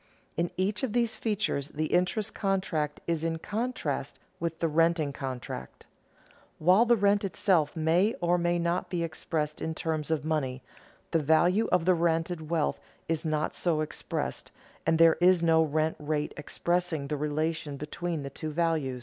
In each of these features the interest contract is in contrast with the renting contract. While the rent itself may or may not be expressed in terms of money, the value of the rented wealth is not so expressed, and there is no rent rate expressing the relation between the two values.